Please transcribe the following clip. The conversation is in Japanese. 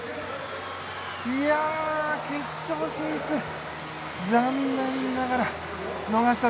決勝進出残念ながら逃した。